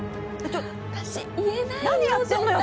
ちょっ何やってんのよ